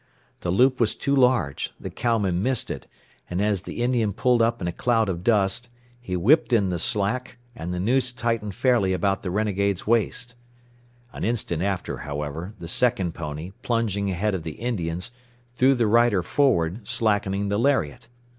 The loop was too large, the cowman missed it, and as the Indian pulled up in a cloud of dust, he whipped in the slack, and the noose tightened fairly about the renegade's waist. An instant after, however, the second pony, plunging ahead of the Indian's, threw the rider forward, slackening the lariat.